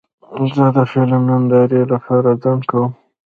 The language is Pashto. زه د فلم نندارې لپاره ځنډ کوم.